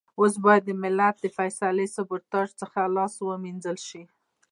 اوس بايد د ملت د فيصلې سبوتاژ څخه لاس و مينځل شي.